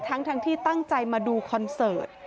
ทั้งที่ตั้งใจมาดูคอนเสิร์ต